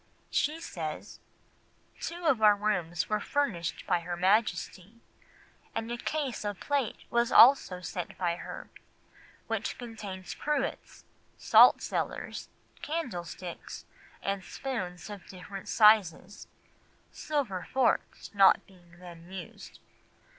She says, "Two of our rooms were furnished by her Majesty, and a case of plate was also sent by her, which contained cruets, saltcellars, candle sticks, and spoons of different sizes, silver forks not being then used.